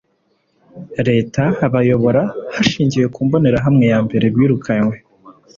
Leta bayobora hashingiwe ku mbonerahamwe yambere birukanwe